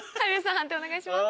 判定お願いします。